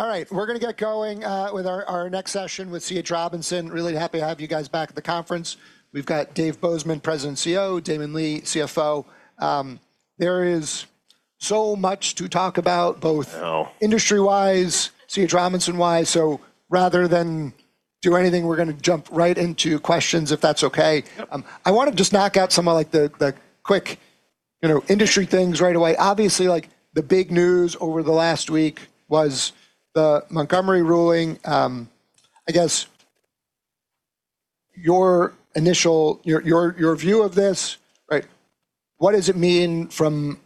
All right. We're going to get going with our next session with C.H. Robinson. Really happy to have you guys back at the conference. We've got Dave Bozeman, President and CEO, Damon Lee, CFO. There is so much to talk about. I know. both C.H. Robinson-wise. Rather than do anything, we're going to jump right into questions, if that's okay. I want to just knock out some of the quick industry things right away. Obviously, the big news over the last week was the Montgomery ruling. I guess, your initial view of this, right, what does it mean to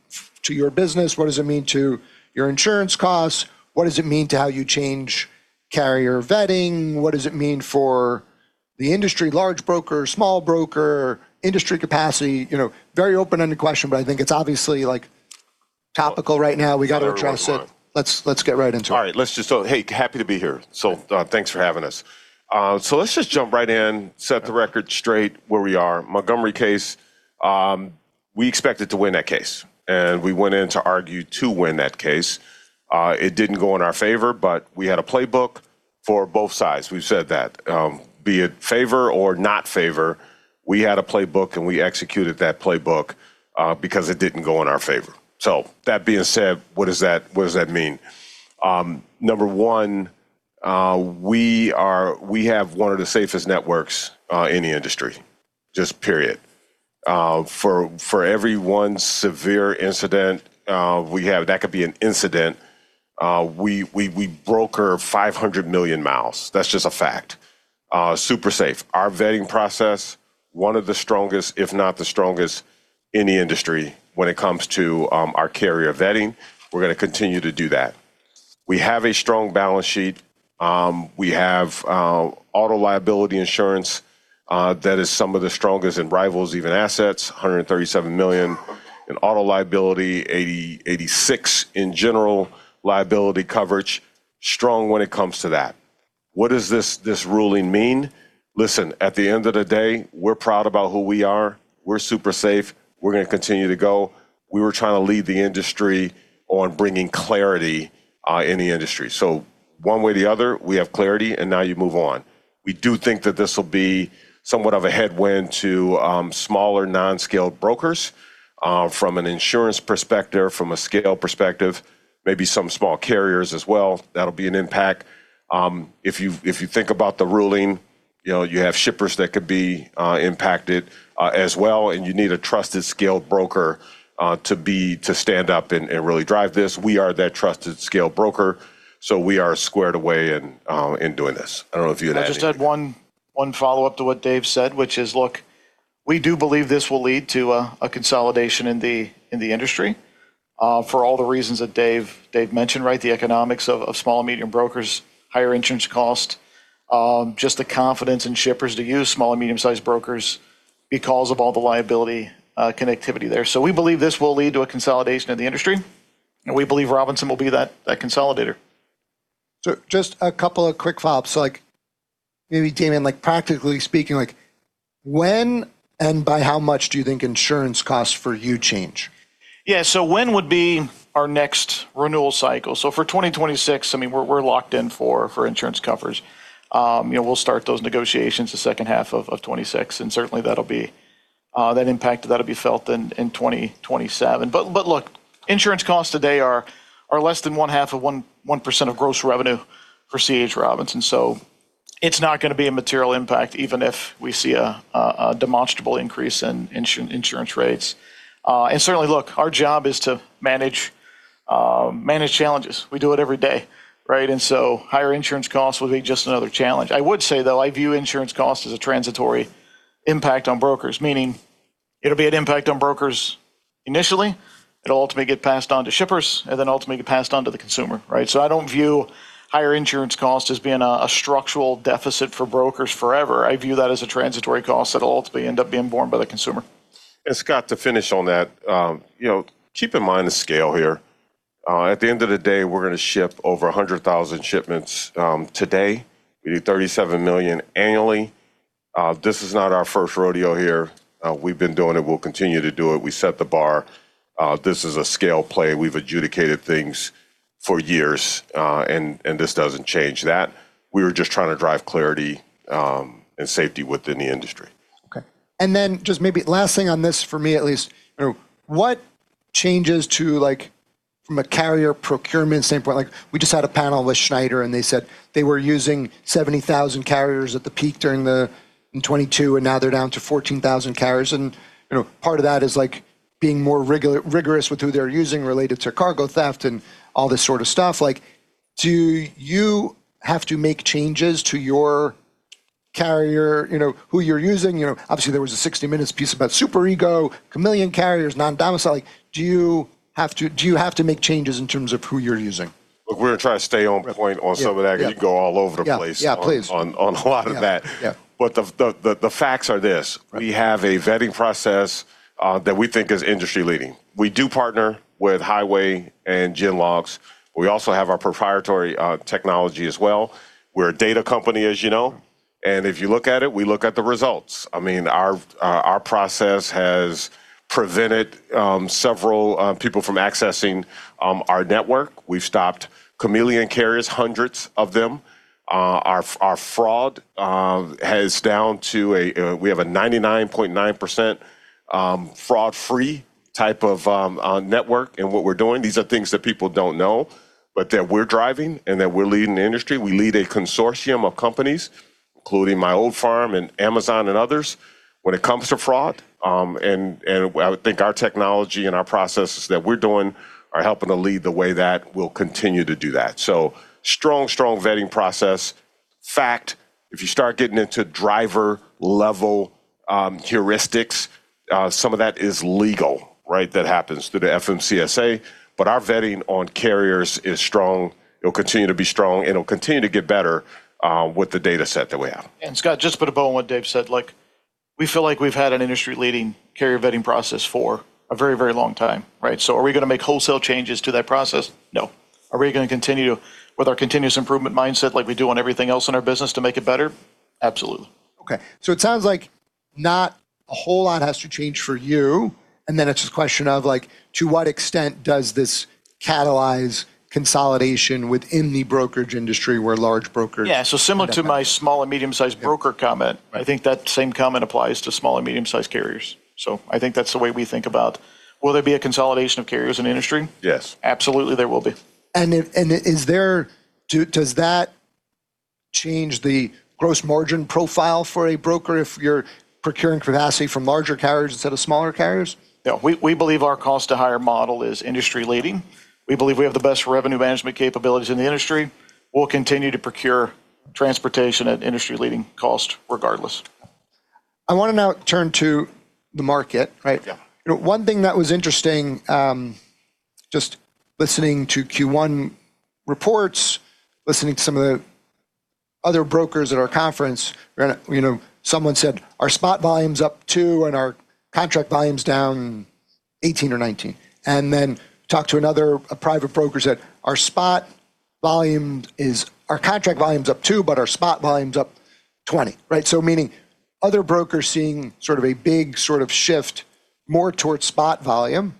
your business? What does it mean to your insurance costs? What does it mean to how you change carrier vetting? What does it mean for the industry, large broker, small broker, industry capacity? Very open-ended question, but I think it's obviously topical right now. We got to address it. Where we want. Let's get right into it. All right. Hey, happy to be here. Thanks for having us. Let's just jump right in, set the record straight where we are. Montgomery case, we expected to win that case. We went in to argue to win that case. It didn't go in our favor. We had a playbook for both sides. We've said that. Be it favor or not favor, we had a playbook. We executed that playbook, because it didn't go in our favor. That being said, what does that mean? Number 1, we have one of the safest networks in the industry, just period. For every one severe incident we have, that could be an incident, we broker 500 million miles. That's just a fact. Super safe. Our vetting process, one of the strongest, if not the strongest in the industry when it comes to our carrier vetting. We're going to continue to do that. We have a strong balance sheet. We have auto liability insurance that is some of the strongest and rivals even [assets], $137 million in auto liability, $86 million in general liability coverage. Strong when it comes to that. What does this ruling mean? Listen, at the end of the day, we're proud about who we are. We're super safe. We're going to continue to go. We were trying to lead the industry on bringing clarity in the industry. One way or the other, we have clarity, and now you move on. We do think that this will be somewhat of a headwind to smaller non-scaled brokers from an insurance perspective, from a scale perspective, maybe some small carriers as well. That'll be an impact. If you think about the ruling, you have shippers that could be impacted as well. You need a trusted scaled broker to stand up and really drive this. We are that trusted scaled broker. We are squared away in doing this. I don't know if you had to add anything. I just had one follow-up to what Dave said, which is, look, we do believe this will lead to a consolidation in the industry, for all the reasons that Dave mentioned, right? The economics of small and medium brokers, higher insurance cost, just the confidence in shippers to use small and medium-sized brokers because of all the liability connectivity there. We believe this will lead to a consolidation in the industry, and we believe Robinson will be that consolidator. Just a couple of quick follow-ups. Maybe, Damon, practically speaking, when and by how much do you think insurance costs for you change? Yeah, when would be our next renewal cycle? For 2026, we're locked in for insurance coverage. We'll start those negotiations the second half of 2026, and certainly, that impact, that'll be felt in 2027. Look, insurance costs today are less than one half of 1% of gross revenue for C.H. Robinson, so it's not going to be a material impact, even if we see a demonstrable increase in insurance rates. Certainly, look, our job is to manage challenges. We do it every day. Higher insurance costs will be just another challenge. I would say, though, I view insurance costs as a transitory impact on brokers, meaning it'll be an impact on brokers initially, it'll ultimately get passed on to shippers, and then ultimately get passed on to the consumer. I don't view higher insurance costs as being a structural deficit for brokers forever. I view that as a transitory cost that'll ultimately end up being borne by the consumer. Scott, to finish on that, keep in mind the scale here. At the end of the day, we're going to ship over 100,000 shipments. Today, we do 37 million annually. This is not our first rodeo here. We've been doing it. We'll continue to do it. We set the bar. This is a scale play. We've adjudicated things for years, and this doesn't change that. We were just trying to drive clarity and safety within the industry. Okay. Just maybe last thing on this, for me at least, what changes to from a carrier procurement standpoint, we just had a panel with Schneider and they said they were using 70,000 carriers at the peak during the 2022, and now they're down to 14,000 carriers. Part of that is being more rigorous with who they're using related to cargo theft and all this sort of stuff. Do you have to make changes to your carrier, who you're using? Obviously, there was a "60 Minutes" piece about Super Ego, chameleon carriers, non-domiciled. Do you have to make changes in terms of who you're using? Look, we're going to try to stay on point on some of that. Yeah. You go all over the place. Yeah. Please on a lot of that. Yeah. The facts are this. Right. We have a vetting process that we think is industry-leading. We do partner with Highway and GenLogs. We also have our proprietary technology as well. We're a data company, as you know. If you look at it, we look at the results. Our process has prevented several people from accessing our network. We've stopped chameleon carriers, hundreds of them. Our fraud is down. We have a 99.9% fraud-free type of network in what we're doing. These are things that people don't know, but that we're driving and that we're leading the industry. We lead a consortium of companies, including my old firm and Amazon and others, when it comes to fraud. I would think our technology and our processes that we're doing are helping to lead the way, that will continue to do that. Strong vetting process. If you start getting into driver-level heuristics, some of that is legal. That happens through the FMCSA. Our vetting on carriers is strong. It'll continue to be strong, and it'll continue to get better with the data set that we have. Scott, just to put a bow on what Dave said, we feel like we've had an industry-leading carrier vetting process for a very long time. Right? Are we going to make wholesale changes to that process? No. Are we going to continue with our continuous improvement mindset like we do on everything else in our business to make it better? Absolutely. Okay. It sounds like not a whole lot has to change for you. It's a question of to what extent does this catalyze consolidation within the brokerage industry. Yeah. Similar to my small and medium sized broker comment. Right. I think that same comment applies to small and medium sized carriers. I think that's the way we think about will there be a consolidation of carriers in the industry? Yes. Absolutely, there will be. Does that change the gross margin profile for a broker if you're procuring capacity from larger carriers instead of smaller carriers? Yeah. We believe our cost to hire model is industry leading. We believe we have the best revenue management capabilities in the industry. We'll continue to procure transportation at industry leading cost regardless. I want to now turn to the market, right? Yeah. One thing that was interesting, just listening to Q1 reports, listening to some of the other brokers at our conference, someone said, "Our spot volume's up 2% and our contract volume's down 18% or 19%." Then talked to another, a private broker, who said, "Our contract volume's up 2%, but our spot volume's up 20%." Right? Meaning other brokers seeing sort of a big sort of shift more towards spot volume.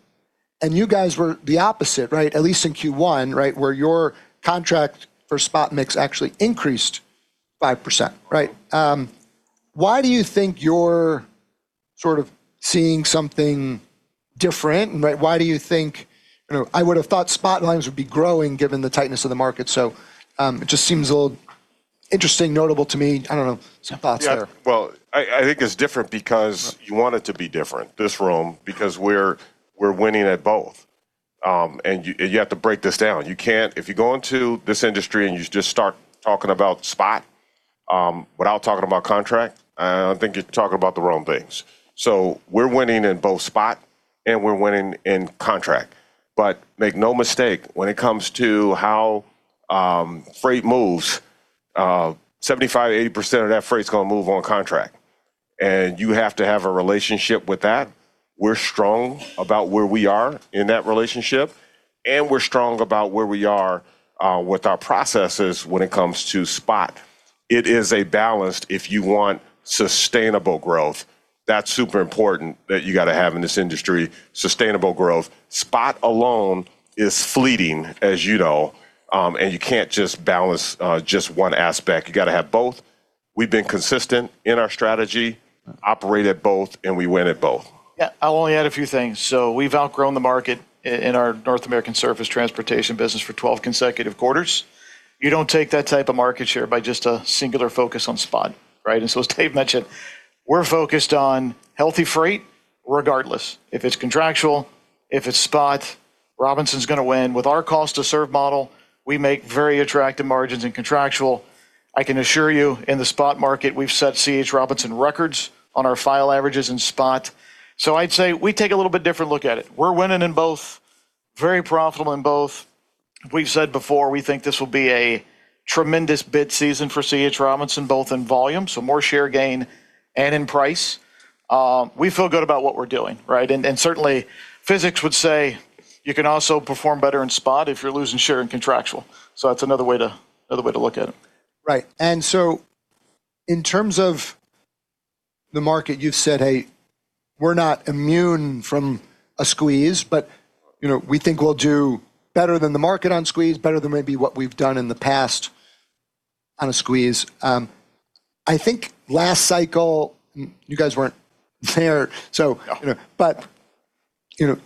You guys were the opposite, right? At least in Q1 where your contract for spot mix actually increased 5%. Right? Why do you think you're sort of seeing something different? I would have thought spot volumes would be growing given the tightness of the market. It just seems a little interesting, notable to me. I don't know, some thoughts there. Yeah. Well, I think it's different because you want it to be different, this room, because we're winning at both. You have to break this down. If you go into this industry and you just start talking about spot, without talking about contract, I think you're talking about the wrong things. We're winning in both spot and we're winning in contract. Make no mistake, when it comes to how freight moves, 75%-80% of that freight is going to move on contract, and you have to have a relationship with that. We're strong about where we are in that relationship, and we're strong about where we are with our processes when it comes to spot. It is a balance if you want sustainable growth. That's super important that you got to have in this industry, sustainable growth. Spot alone is fleeting, as you know. You can't just balance just one aspect. You got to have both. We've been consistent in our strategy, operate at both, and we win at both. I'll only add a few things. We've outgrown the market in our North American Surface Transportation business for 12 consecutive quarters. You don't take that type of market share by just a singular focus on spot, right? As Dave mentioned, we're focused on healthy freight regardless. If it's contractual, if it's spot, Robinson's going to win. With our cost to serve model, we make very attractive margins in contractual. I can assure you in the spot market, we've set C.H. Robinson records on our file averages in spot. I'd say we take a little bit different look at it. We're winning in both, very profitable in both. We've said before, we think this will be a tremendous bid season for C.H. Robinson, both in volume, so more share gain, and in price. We feel good about what we're doing, right? Certainly physics would say you can also perform better in spot if you're losing share in contractual. That's another way to look at it. Right. In terms of the market, you've said, "Hey, we're not immune from a squeeze, but we think we'll do better than the market on squeeze, better than maybe what we've done in the past on a squeeze." I think last cycle, you guys weren't there. No.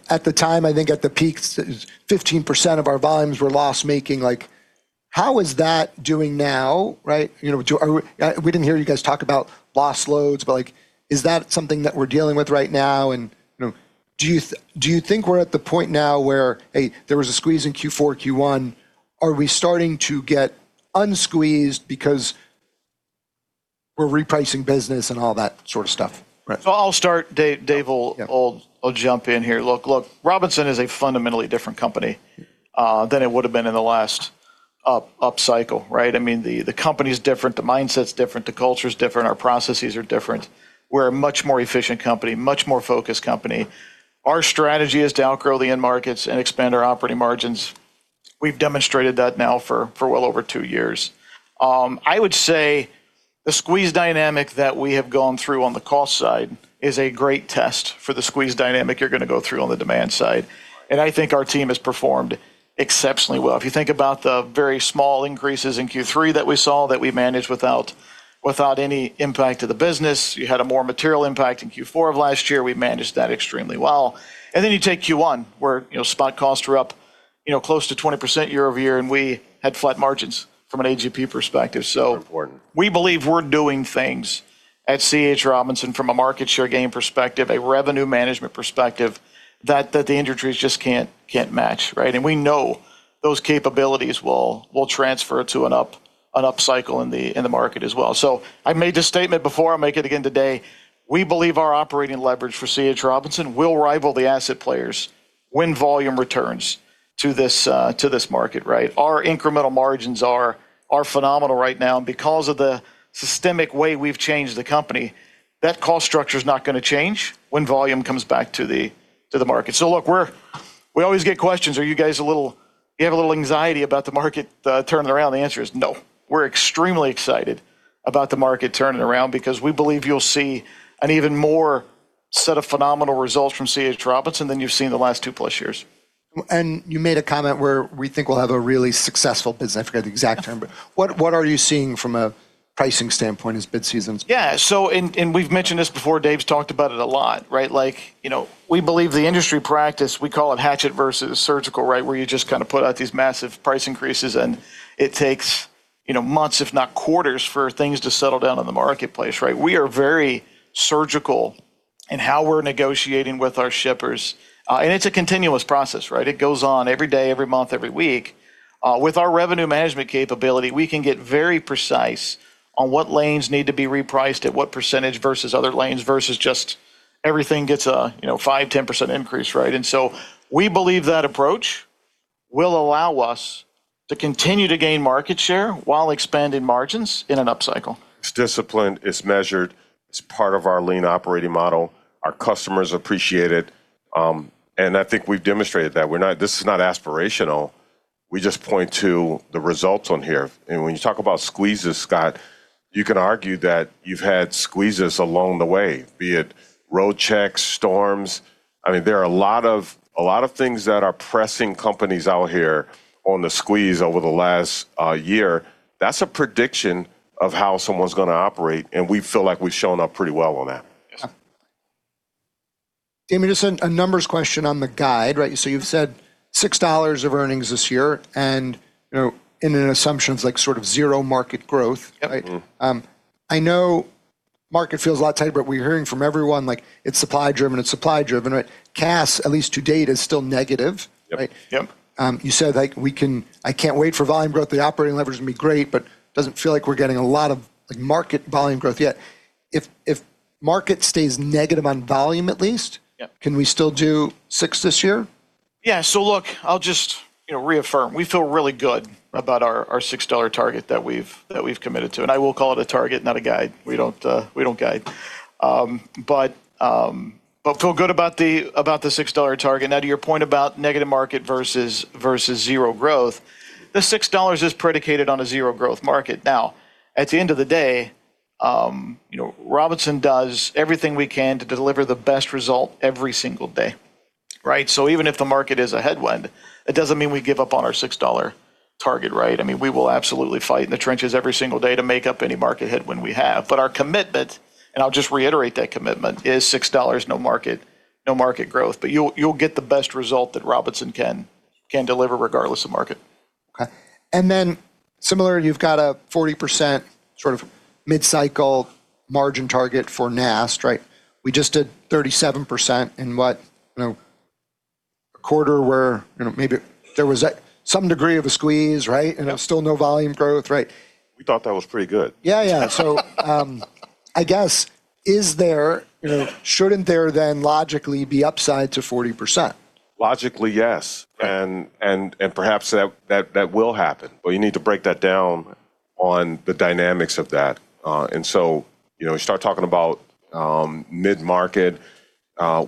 At the time, I think at the peak, 15% of our volumes were loss-making. How is that doing now? We didn't hear you guys talk about loss loads, but is that something that we're dealing with right now? Do you think we're at the point now where there was a squeeze in Q4, Q1? Are we starting to get unsqueezed because we're repricing business and all that sort of stuff? Right. I'll start. Dave will jump in here. Look, Robinson is a fundamentally different company than it would've been in the last up cycle, right? The company's different, the mindset's different, the culture's different, our processes are different. We're a much more efficient company, much more focused company. Our strategy is to outgrow the end markets and expand our operating margins. We've demonstrated that now for well over two years. I would say the squeeze dynamic that we have gone through on the cost side is a great test for the squeeze dynamic you're going to go through on the demand side. I think our team has performed exceptionally well. If you think about the very small increases in Q3 that we saw, that we managed without any impact to the business. You had a more material impact in Q4 of last year. We managed that extremely well. You take Q1, where spot costs were up close to 20% year-over-year, and we had flat margins from an AGP perspective. Important. We believe we're doing things at C.H. Robinson from a market share gain perspective, a revenue management perspective, that the industries just can't match, right? We know those capabilities will transfer to an up cycle in the market as well. I made this statement before, I'll make it again today, we believe our operating leverage for C.H. Robinson will rival the asset players when volume returns to this market, right? Our incremental margins are phenomenal right now, and because of the systemic way we've changed the company, that cost structure's not going to change when volume comes back to the market. Look, we always get questions, "Do you have a little anxiety about the market turning around?" The answer is no. We're extremely excited about the market turning around because we believe you'll see an even more set of phenomenal results from C.H. Robinson than you've seen in the last 2+ years. You made a comment where we think we'll have a really successful business. I forget the exact term, but what are you seeing from a pricing standpoint as bid season's- We've mentioned this before. Dave's talked about it a lot, right? We believe the industry practice, we call it hatchet versus surgical, right? Where you just kind of put out these massive price increases and it takes months, if not quarters, for things to settle down in the marketplace, right? We are very surgical in how we're negotiating with our shippers. It's a continuous process, right? It goes on every day, every month, every week. With our revenue management capability, we can get very precise on what lanes need to be repriced at what percentage versus other lanes, versus just everything gets a 5%-10% increase, right? We believe that approach will allow us to continue to gain market share while expanding margins in an up cycle. It's disciplined, it's measured, it's part of our Lean operating model. Our customers appreciate it. I think we've demonstrated that. This is not aspirational. We just point to the results on here. When you talk about squeezes, Scott, you can argue that you've had squeezes along the way, be it road checks, storms. There are a lot of things that are pressing companies out here on the squeeze over the last year. That's a prediction of how someone's going to operate, and we feel like we've shown up pretty well on that. Yeah. Damon, just a numbers question on the guide, right? You've said $6 of earnings this year, and in an assumption, it's sort of zero market growth. Yep. Right? I know market feels a lot tighter, but we're hearing from everyone like, "It's supply-driven, it's supply-driven," right? Cass, at least to date, is still negative. Yep. You said, "I can't wait for volume growth. The operating leverage would be great," but it doesn't feel like we're getting a lot of market volume growth yet. If market stays negative on volume at least. Yep Can we still do six this year? Yeah. Look, I'll just reaffirm. We feel really good about our $6 target that we've committed to. I will call it a target, not a guide. We don't guide. Feel good about the $6 target. To your point about negative market versus zero growth, the $6 is predicated on a zero growth market. At the end of the day, Robinson does everything we can to deliver the best result every single day, right? Even if the market is a headwind, it doesn't mean we give up on our $6 target, right? We will absolutely fight in the trenches every single day to make up any market headwind we have. Our commitment, and I'll just reiterate that commitment, is $6, no market growth. You'll get the best result that Robinson can deliver regardless of market. Okay. Similarly, you've got a 40% sort of mid-cycle margin target for NAST, right? We just did 37% in what, a quarter where maybe there was some degree of a squeeze, right? Yeah. Still no volume growth, right? We thought that was pretty good. Yeah. I guess shouldn't there then logically be upside to 40%? Logically, yes. Perhaps that will happen. You need to break that down on the dynamics of that. You start talking about mid-market,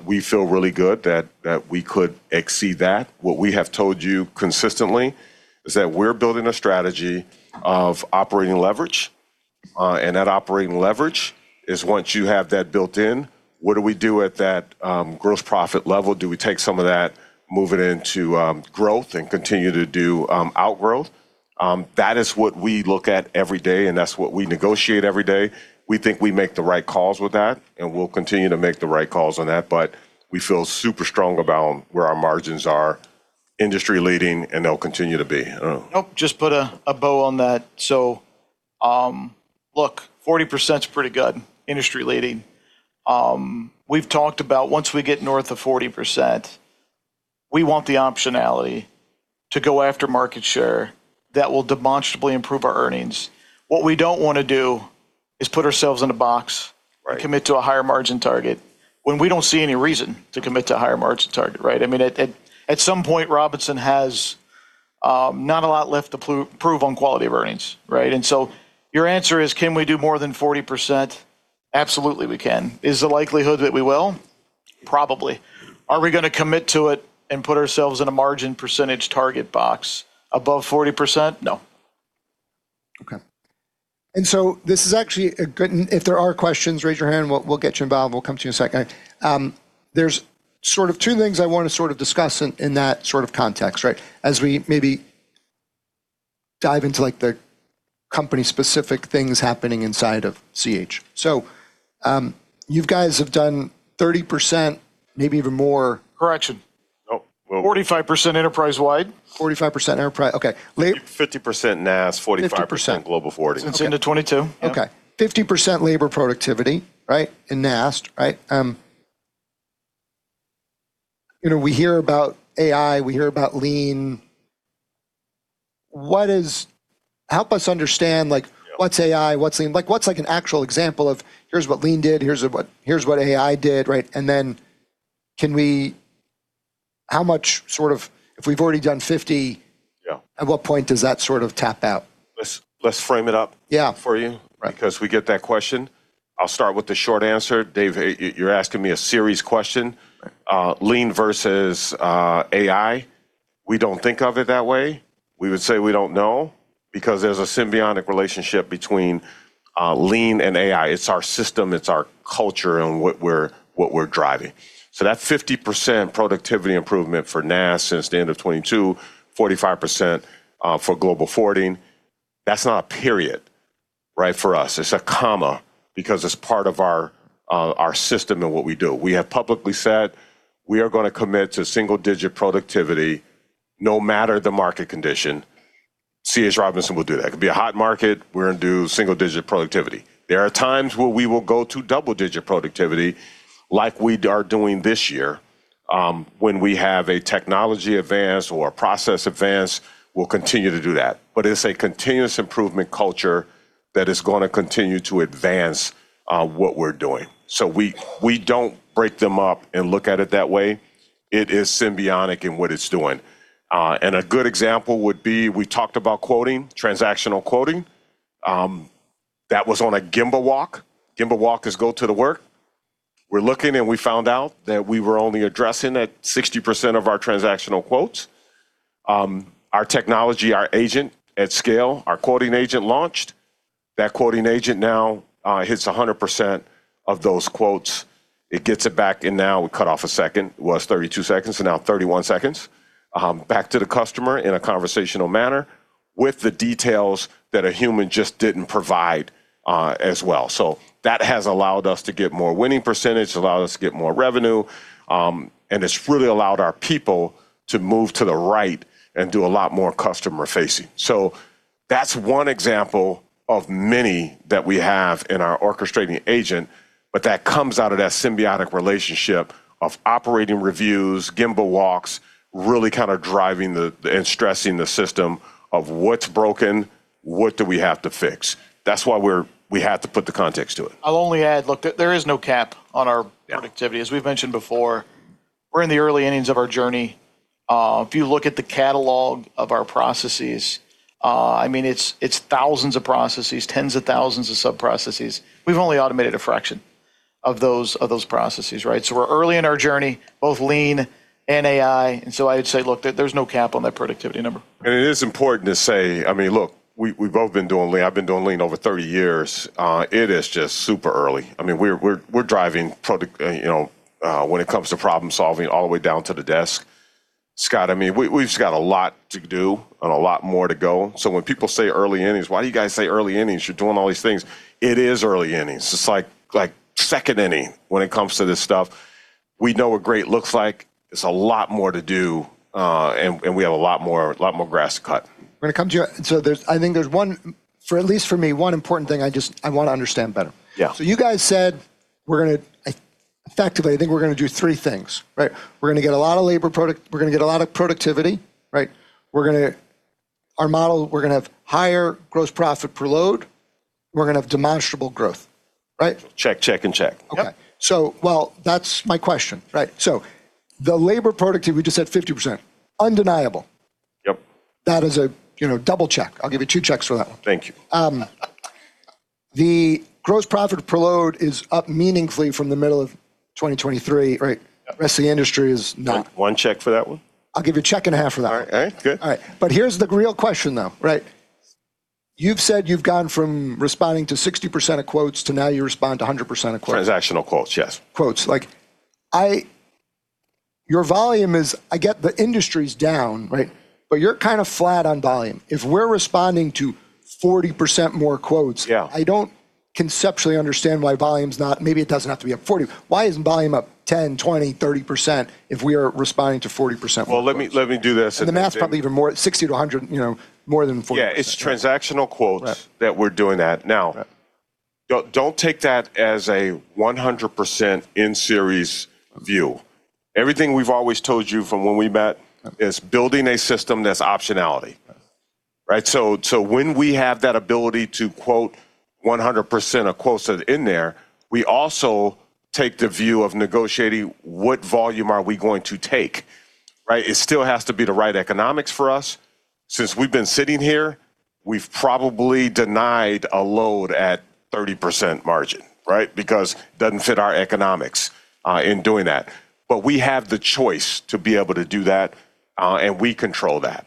we feel really good that we could exceed that. What we have told you consistently is that we're building a strategy of operating leverage. That operating leverage is once you have that built in, what do we do at that gross profit level? Do we take some of that, move it into growth and continue to do outgrowth? That is what we look at every day, and that's what we negotiate every day. We think we make the right calls with that, and we'll continue to make the right calls on that. We feel super strong about where our margins are industry leading, and they'll continue to be. I don't know. Nope, just put a bow on that. Look, 40%'s pretty good, industry leading. We've talked about once we get north of 40%, we want the optionality to go after market share that will demonstrably improve our earnings. What we don't want to do is put ourselves in a box- commit to a higher margin target when we don't see any reason to commit to a higher margin target, right? At some point, Robinson has not a lot left to prove on quality of earnings, right? Your answer is, can we do more than 40%? Absolutely we can. Is the likelihood that we will? Probably. Are we going to commit to it and put ourselves in a margin percentage target box above 40%? No. Okay. This is actually a good. If there are questions, raise your hand, we'll get you involved. We'll come to you in a second. There's sort of two things I want to sort of discuss in that sort of context, right? As we maybe dive into the company specific things happening inside of CH. You guys have done 30%, maybe even more. Correction. 45% enterprise-wide. 45% enterprise. Okay. 50% NAST, 45%- 50% Global Forwarding. Since the end of 2022. Okay. 50% labor productivity, right? In NAST, right? We hear about AI, we hear about Lean. Help us understand, what's AI, what's Lean? What's an actual example of here's what Lean did, here's what AI did, right? Yeah at what point does that sort of tap out? Let's frame it up. Yeah for you. Right. We get that question. I'll start with the short answer. Dave, you're asking me a serious question. Right. Lean versus AI, we don't think of it that way. We would say we don't know, because there's a symbiotic relationship between Lean and AI. It's our system, it's our culture, and what we're driving. That 50% productivity improvement for NAST since the end of 2022, 45% for global forwarding, that's not a period, right, for us. It's a comma, because it's part of our system and what we do. We have publicly said we are going to commit to single-digit productivity, no matter the market condition. C.H. Robinson will do that. It could be a hot market, we're going to do single-digit productivity. There are times where we will go to double-digit productivity like we are doing this year. When we have a technology advance or a process advance, we'll continue to do that. It is a continuous improvement culture that is going to continue to advance what we're doing. We don't break them up and look at it that way. It is symbiotic in what it's doing. A good example would be, we talked about quoting, transactional quoting. That was on a Gemba walk. Gemba walk is go to the work. We're looking, and we found out that we were only addressing at 60% of our transactional quotes. Our technology, our agent at scale, our quoting agent launched. That quoting agent now hits 100% of those quotes. It gets it back in now. We cut off 1 second. It was 32 seconds, now 31 seconds, back to the customer in a conversational manner with the details that a human just didn't provide as well. That has allowed us to get more winning percentage, allowed us to get more revenue, and it's really allowed our people to move to the right and do a lot more customer facing. That's one example of many that we have in our orchestrating agent, but that comes out of that symbiotic relationship of operating reviews, Gemba walks, really kind of driving and stressing the system of what's broken, what do we have to fix. That's why we had to put the context to it. I'll only add, look, there is no cap on our productivity. Yeah. As we've mentioned before, we're in the early innings of our journey. If you look at the catalog of our processes, it's thousands of processes, tens of thousands of sub-processes. We've only automated a fraction of those processes, right? We're early in our journey, both Lean and AI. I would say, look, there's no cap on that productivity number. It is important to say, look, we've both been doing Lean. I've been doing Lean over 30 years. It is just super early. We're driving when it comes to problem-solving all the way down to the desk. Scott, we've just got a lot to do and a lot more to go. When people say early innings, "Why do you guys say early innings? You're doing all these things." It is early innings. It's like second inning when it comes to this stuff. We know what great looks like. There's a lot more to do, and we have a lot more grass to cut. I'm going to come to you. I think there's one, at least for me, one important thing I want to understand better. Yeah. You guys said effectively I think we're going to do three things, right? We're going to get a lot of productivity, right? Our model, we're going to have higher gross profit per load. We're going to have demonstrable growth, right? Check, check and check. Okay. Well, that's my question, right? The labor productivity, we just said 50%. Undeniable. Yep. That is a double check. I'll give you two checks for that one. Thank you. The gross profit per load is up meaningfully from the middle of 2023, right? Yeah. Rest of the industry is not. One check for that one. I'll give you a check and a half for that one. All right. Good. All right. Here's the real question, though, right? You've said you've gone from responding to 60% of quotes to now you respond to 100% of quotes. Transactional quotes, yes. Quotes. I get the industry's down, right? You're kind of flat on volume. If we're responding to 40% more quotes. Yeah I don't conceptually understand why volume's not, maybe it doesn't have to be up 40%. Why isn't volume up 10%, 20%, 30% if we are responding to 40% more quotes? Well, let me do this. The math's probably even more at 60-100, more than 40%. Yeah, it's transactional quotes. Right that we're doing that. Right Do not take that as a 100% in-series view. Everything we've always told you from when we met is building a system that's optionality, right? When we have that ability to quote 100% of quotes that are in there, we also take the view of negotiating what volume are we going to take, right? It still has to be the right economics for us. Since we've been sitting here, we've probably denied a load at 30% margin, right? Because it doesn't fit our economics in doing that. We have the choice to be able to do that, and we control that.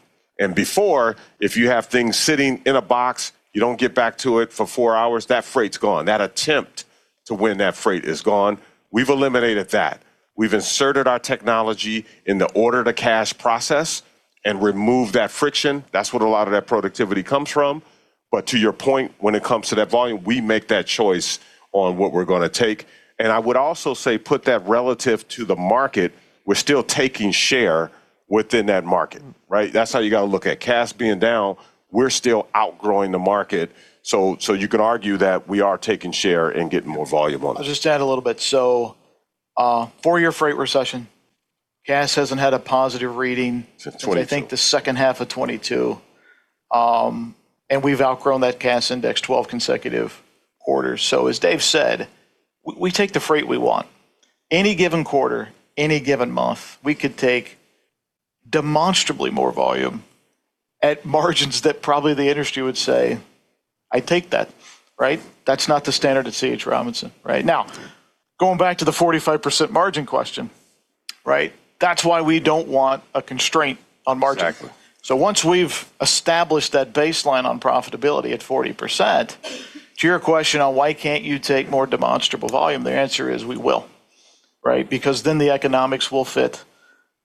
Before, if you have things sitting in a box, you don't get back to it for four hours, that freight's gone. That attempt to win that freight is gone. We've eliminated that. We've inserted our technology in the order-to-cash process and removed that friction. That's what a lot of that productivity comes from. To your point, when it comes to that volume, we make that choice on what we're going to take. I would also say put that relative to the market, we're still taking share within that market. That's how you got to look at it. Cass being down, we're still outgrowing the market. You can argue that we are taking share and getting more volume on it. I'll just add a little bit. Four-year freight recession. Cass hasn't had a positive reading. Since 2022 since I think the second half of 2022. We've outgrown that Cass index 12 consecutive quarters. As Dave said, we take the freight we want. Any given quarter, any given month, we could take demonstrably more volume at margins that probably the industry would say, "I take that." That's not the standard at C.H. Robinson. Right now, going back to the 45% margin question. That's why we don't want a constraint on margin. Exactly. Once we've established that baseline on profitability at 40%, to your question on why can't you take more demonstrable volume, the answer is we will. The economics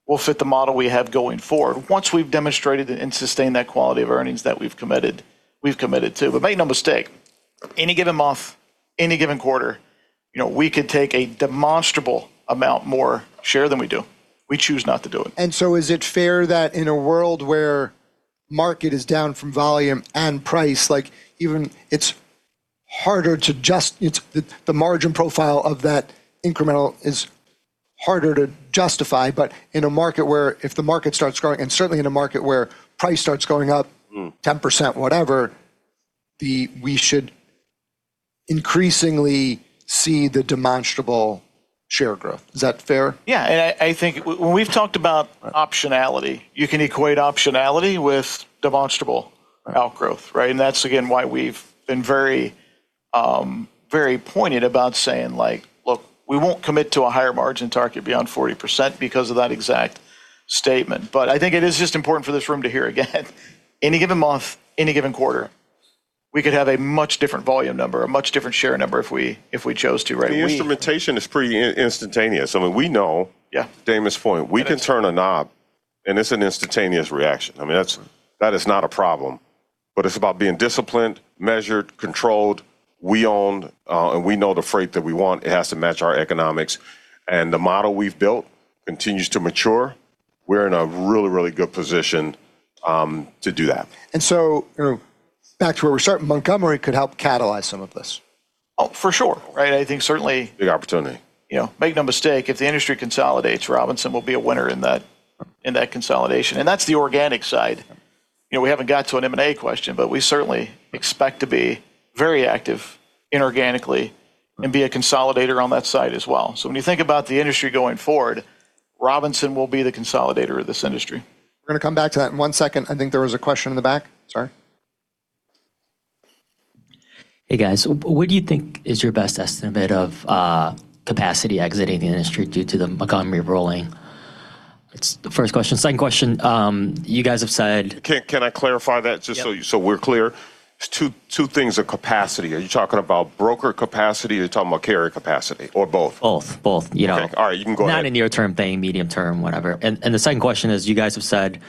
will fit the model we have going forward. Once we've demonstrated and sustained that quality of earnings that we've committed to. Make no mistake, any given month, any given quarter, we could take a demonstrable amount more share than we do. We choose not to do it. Is it fair that in a world where market is down from volume and price, the margin profile of that incremental is harder to justify, but in a market where if the market starts growing, and certainly in a market where price starts going up. 10%, whatever, we should increasingly see the demonstrable share growth. Is that fair? Yeah. I think when we've talked about optionality, you can equate optionality with demonstrable outgrowth, right? That's again why we've been very pointed about saying like, "Look, we won't commit to a higher margin target beyond 40% because of that exact statement." I think it is just important for this room to hear, again, any given month, any given quarter, we could have a much different volume number, a much different share number if we chose to, right? The instrumentation is pretty instantaneous. I mean. Yeah Damon's point. We can turn a knob, and it's an instantaneous reaction. I mean, that is not a problem, but it's about being disciplined, measured, controlled. We own, and we know the freight that we want. It has to match our economics. The model we've built continues to mature. We're in a really, really good position to do that. Back to where we're starting, Montgomery could help catalyze some of this. Oh, for sure. Right? Big opportunity. make no mistake, if the industry consolidates, Robinson will be a winner in that consolidation. That's the organic side. We haven't got to an M&A question, but we certainly expect to be very active inorganically and be a consolidator on that side as well. When you think about the industry going forward, Robinson will be the consolidator of this industry. We're going to come back to that in one second. I think there was a question in the back. Sorry. Hey, guys. What do you think is your best estimate of capacity exiting the industry due to the Montgomery ruling? It's the first question. Second question. Can I clarify that just? Yep we're clear? There's two things of capacity. Are you talking about broker capacity, or you're talking about carrier capacity, or both? Both. Okay. All right. You can go ahead. Not a near-term thing, medium term, whatever. The second question is, you guys have said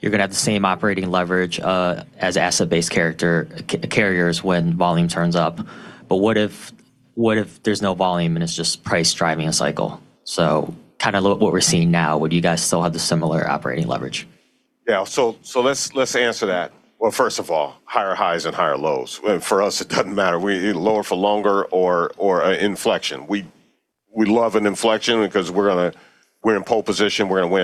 you're going to have the same operating leverage as asset-based carriers when volume turns up. What if there's no volume and it's just price driving a cycle? Kind of what we're seeing now. Would you guys still have the similar operating leverage? Yeah. Let's answer that. Well, first of all, higher highs and higher lows. For us, it doesn't matter. Lower for longer or an inflection. We love an inflection because we're in pole position, we're going to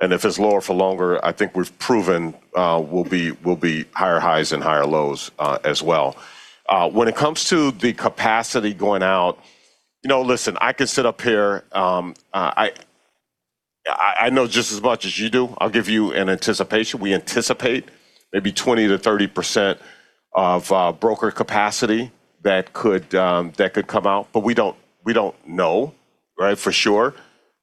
win. If it's lower for longer, I think we've proven we'll be higher highs and higher lows, as well. When it comes to the capacity going out, listen, I can sit up here, I know just as much as you do. I'll give you an anticipation. We anticipate maybe 20%-30% of broker capacity that could come out, but we don't know for sure.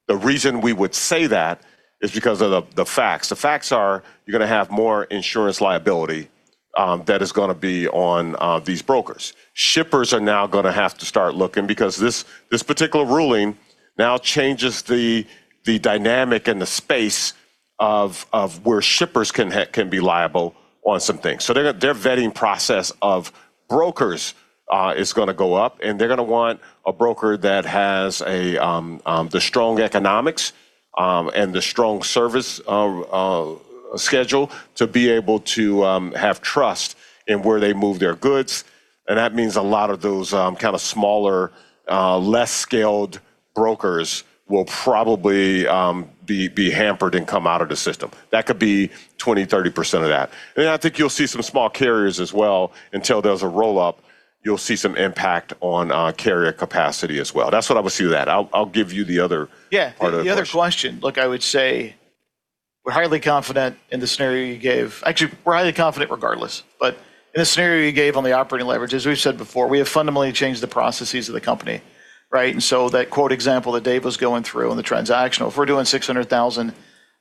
The reason we would say that is because of the facts. The facts are you're going to have more insurance liability that is going to be on these brokers. Shippers are now going to have to start looking because this particular ruling now changes the dynamic and the space of where shippers can be liable on some things. Their vetting process of brokers is going to go up, and they're going to want a broker that has the strong economics, and the strong service schedule to be able to have trust in where they move their goods. That means a lot of those kind of smaller, less scaled brokers will probably be hampered and come out of the system. That could be 20%-30% of that. I think you'll see some small carriers as well, until there's a roll-up, you'll see some impact on carrier capacity as well. That's what I would say to that. Yeah part of the question. The other question, I would say we're highly confident in the scenario you gave. Actually, we're highly confident regardless, but in the scenario you gave on the operating leverage, as we've said before, we have fundamentally changed the processes of the company, right? That quote example that Dave was going through on the transactional, if we're doing 600,000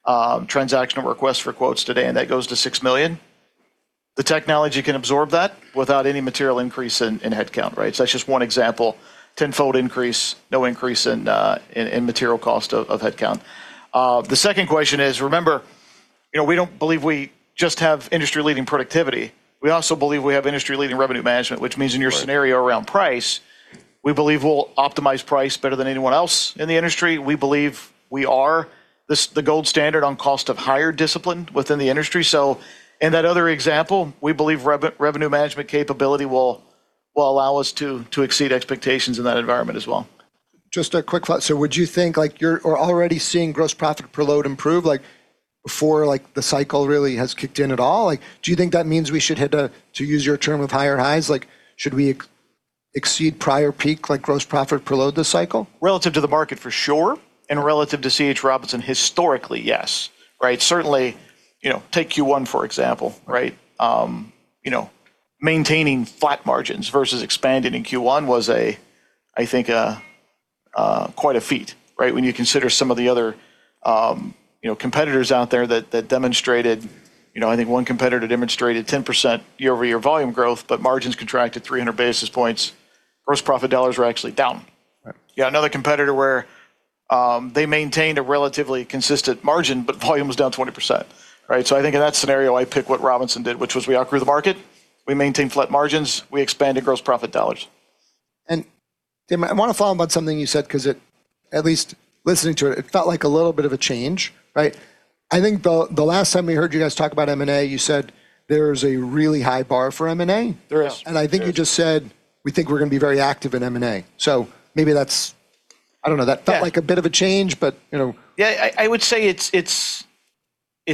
transactional requests for quotes today, and that goes to 6 million, the technology can absorb that without any material increase in headcount, right? That's just one example. 10x increase, no increase in material cost of headcount. The second question is, remember, we don't believe we just have industry-leading productivity. We also believe we have industry-leading revenue management, which means in your scenario around price, we believe we'll optimize price better than anyone else in the industry. We believe we are the gold standard on cost of hire discipline within the industry. In that other example, we believe revenue management capability will allow us to exceed expectations in that environment as well. Just a quick thought. Would you think, you're already seeing gross profit per load improve, before the cycle really has kicked in at all? Do you think that means we should hit a, to use your term, with higher highs? Should we exceed prior peak, like gross profit per load this cycle? Relative to the market, for sure, and relative to C.H. Robinson historically, yes. Certainly, take Q1, for example. Maintaining flat margins versus expanding in Q1 was, I think, quite a feat. When you consider some of the other competitors out there that demonstrated, I think one competitor demonstrated 10% year-over-year volume growth, but margins contracted 300 basis points. Gross profit dollars were actually down. Right. You got another competitor where they maintained a relatively consistent margin, but volume was down 20%, right? I think in that scenario, I pick what Robinson did, which was we outgrew the market, we maintained flat margins, we expanded gross profit dollars. Damon, I want to follow up on something you said because it, at least listening to it, felt like a little bit of a change, right? I think the last time we heard you guys talk about M&A, you said there's a really high bar for M&A. There is. I think you just said, "We think we're going to be very active in M&A." Maybe that's, I don't know. Yeah that felt like a bit of a change. You know. Yeah, I would say it's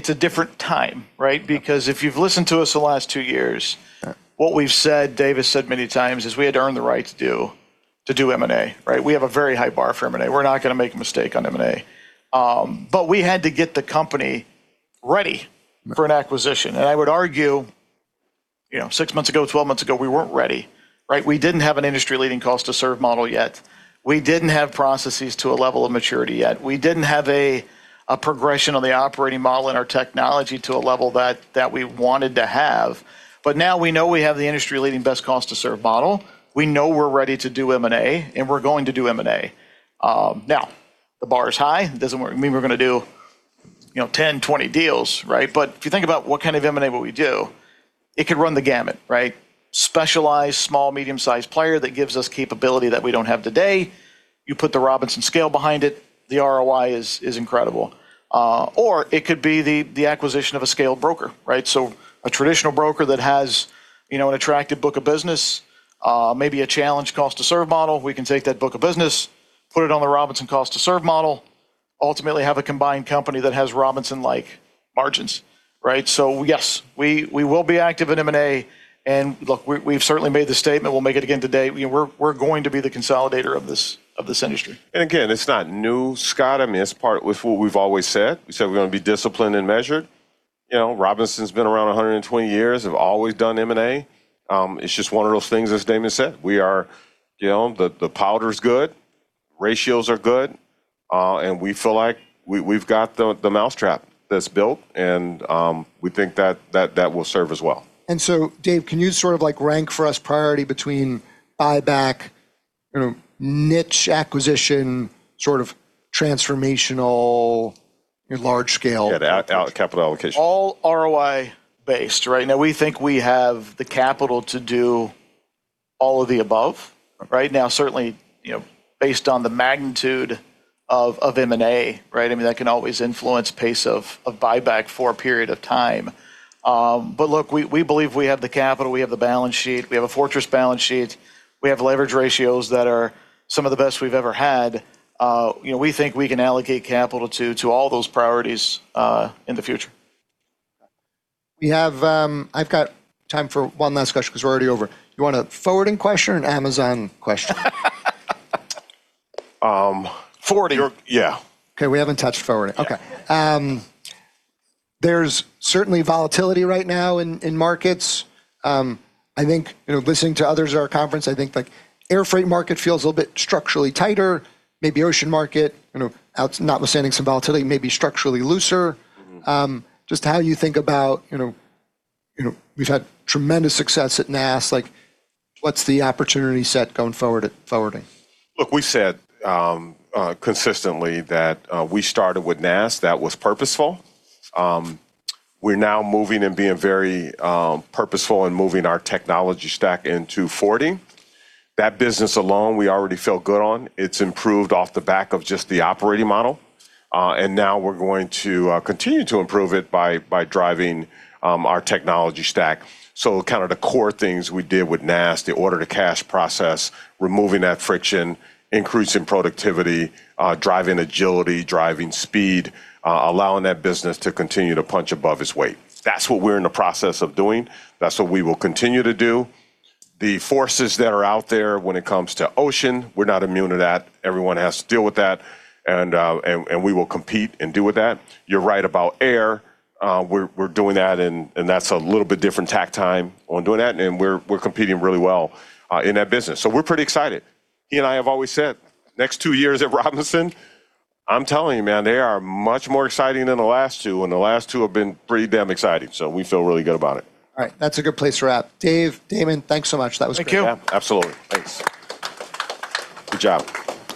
a different time, right? Because if you've listened to us the last two years. Yeah What we've said, Dave has said many times, is we had to earn the right to do M&A, right? We have a very high bar for M&A. We're not going to make a mistake on M&A. We had to get the company ready for an acquisition. I would argue 6-12 months ago, we weren't ready, right? We didn't have an industry-leading cost to serve model yet. We didn't have processes to a level of maturity yet. We didn't have a progression on the operating model in our technology to a level that we wanted to have. Now we know we have the industry-leading-best cost to serve model. We know we're ready to do M&A, and we're going to do M&A. Now, the bar is high. It doesn't mean we're going to do 10-20 deals, right? If you think about what kind of M&A would we do, it could run the gamut, right? Specialized, small, medium-sized player that gives us capability that we don't have today. You put the Robinson scale behind it, the ROI is incredible. It could be the acquisition of a scaled broker, right? A traditional broker that has an attractive book of business, maybe a challenged cost to serve model. We can take that book of business, put it on the Robinson cost to serve model, ultimately have a combined company that has Robinson-like margins, right? Yes, we will be active in M&A, and look, we've certainly made the statement, we'll make it again today, we're going to be the consolidator of this industry. Again, it's not new, Scott. It's part with what we've always said. We said we're going to be disciplined and measured. Robinson's been around 120 years, have always done M&A. It's just one of those things, as Damon said. The powder's good, ratios are good, and we feel like we've got the mousetrap that's built and we think that will serve us well. Dave, can you sort of rank for us priority between buyback, niche acquisition, sort of transformational, large scale? Yeah. Capital allocation. All ROI based, right? Now we think we have the capital to do all of the above. Right now, certainly, based on the magnitude of M&A, right? That can always influence pace of buyback for a period of time. Look, we believe we have the capital, we have the balance sheet, we have a fortress balance sheet, we have leverage ratios that are some of the best we've ever had. We think we can allocate capital to all those priorities in the future. I've got time for one last question because we're already over. You want a forwarding question or an Amazon question? Forwarding. Yeah. Okay. We haven't touched forwarding. Okay. There's certainly volatility right now in markets. I think, listening to others at our conference, I think the air freight market feels a little bit structurally tighter, maybe ocean market, notwithstanding some volatility, maybe structurally looser. Just how you think about, we've had tremendous success at NAST. What's the opportunity set going forward at forwarding? Look, we said consistently that we started with NAST. That was purposeful. We're now moving and being very purposeful in moving our technology stack into forwarding. That business alone, we already feel good on. It's improved off the back of just the operating model. Now we're going to continue to improve it by driving our technology stack. Kind of the core things we did with NAST, the order-to-cash process, removing that friction, increasing productivity, driving agility, driving speed, allowing that business to continue to punch above its weight. That's what we're in the process of doing. That's what we will continue to do. The forces that are out there when it comes to ocean, we're not immune to that. Everyone has to deal with that, and we will compete and deal with that. You're right about air. We're doing that, and that's a little bit different takt time on doing that, and we're competing really well in that business. We're pretty excited. He and I have always said, next two years at Robinson, I'm telling you, man, they are much more exciting than the last two, and the last two have been pretty damn exciting. We feel really good about it. All right. That's a good place to wrap. Dave, Damon, thanks so much. That was great. Thank you. Yeah. Absolutely. Thanks. Good job.